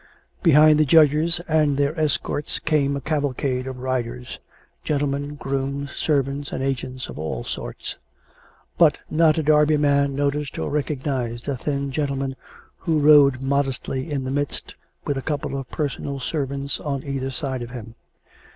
Behind the judges and their escort came a cavalcade of riders — gentlemen, grooms, serv ants, and agents of all sorts. But not a Derby man no 437 4S8 COME RACK! COME ROPE! ticed or recognised a thin gentleman who rode modestly in the midst, with a couple of personal servants on either side of him.